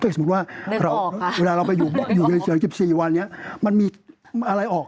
เชื่อใจสมมุติว่าเวลาเราไปอยู่๑๔วันมันมีอะไรออก